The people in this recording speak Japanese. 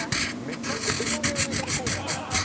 めちゃくちゃ飲み歩いてる子やんじゃあ。